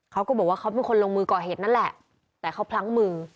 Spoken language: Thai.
เขาก็บอกว่าเขาเป็นคนลงมือก่อเหตุนั่นแหละแต่เขาพลั้งมือ